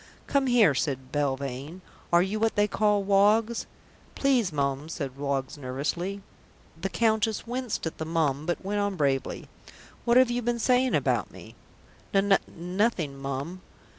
"Come here," said Belvane. "Are you what they call Woggs?" "Please, Mum," said Woggs nervously. The Countess winced at the "Mum," but went on bravely. "What have you been saying about me?" "N Nothing, Mum."